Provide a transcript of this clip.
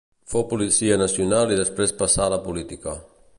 Fou policia nacional i després passà a la política.